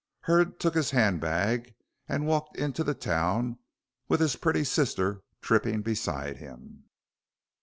Hurd took his handbag and walked into the town with his pretty sister tripping beside him.